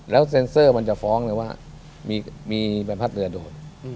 แล้วเซ็นเซอร์มันจะฟ้องเลยว่ามีใบพัดเรือโดน